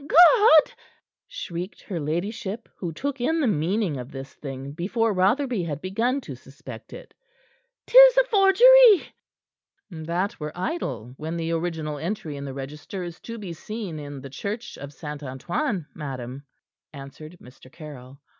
"God!" shrieked her ladyship, who took in the meaning of this thing before Rotherby had begun to suspect it. "'Tis a forgery!" "That were idle, when the original entry in the register is to be seen in, the Church of St. Antoine, madam," answered Mr. Caryll.